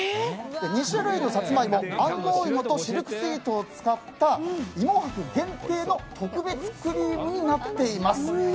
２種類のサツマイモ、安納芋とシルクスイートを使った芋博限定の特別クリームになっています。